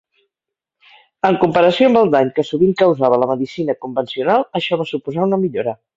En comparació amb el dany que sovint causava la medicina convencional, això va suposar una millora.